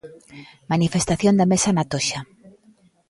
Manifestación da Mesa na Toxa.